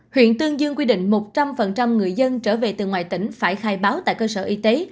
huyện tương dương quy định một trăm linh người dân trở về từ ngoài tỉnh phải khai báo tại cơ sở y tế